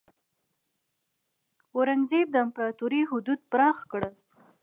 اورنګزیب د امپراتورۍ حدود پراخ کړل.